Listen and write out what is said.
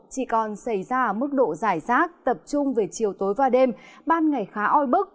chỉ còn xảy ra mức độ giải rác tập trung về chiều tối và đêm ban ngày khá oi bức